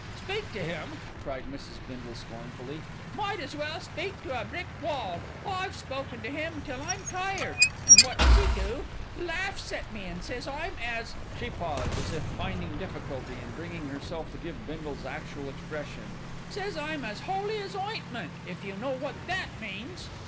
"Speak to him!" cried Mrs. Bindle scornfully. "Might as well speak to a brick wall. I've spoken to him until I'm tired, and what does he do? Laughs at me and says I'm as " she paused, as if finding difficulty in bringing herself to give Bindle's actual expression "says I'm as holy as ointment, if you know what that means."